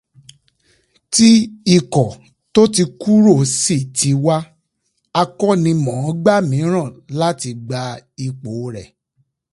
Tí ikọ̀ tó ti kúrò sì ti wá akọ́nimọ̀ọ́gbá mìíràn láti gba ipò rẹ̀.